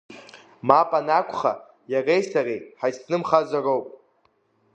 Мап анакәха, иареи сареи ҳаицнымхозароуп.